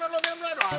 aduh ayo berjuang